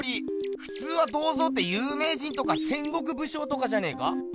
ふつうは銅像ってゆうめい人とか戦国武将とかじゃねえか？